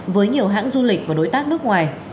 với nhiều hãng du lịch và đối tác nước ngoài